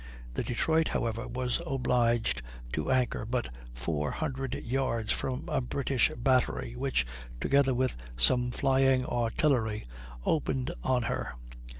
The Detroit, however, was obliged to anchor but four hundred yards from a British battery, which, together with some flying artillery, opened on her.